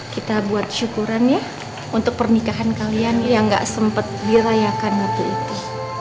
kita buat syukuran ya untuk pernikahan kalian yang gak sempat dirayakan waktu itu